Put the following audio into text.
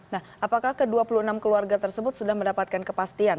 nah apakah ke dua puluh enam keluarga tersebut sudah mendapatkan kepastian